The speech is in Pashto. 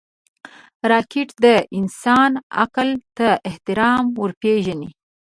راکټ د انسان عقل ته احترام ورپېژني